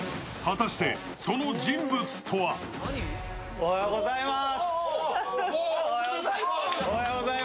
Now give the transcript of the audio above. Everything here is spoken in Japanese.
おはようございます。